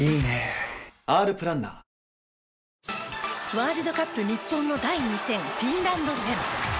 ワールドカップ日本の第２戦フィンランド戦。